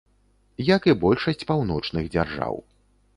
Як і большасць паўночных дзяржаў.